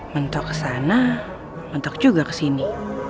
mentok ke sana mentok juga ke sini